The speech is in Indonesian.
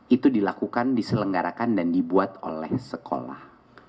itu dilakukan diselenggarakan dan dibuat oleh sekolah